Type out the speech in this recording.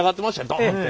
ドンって。